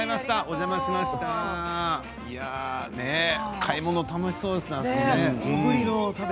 買い物、楽しそうですね。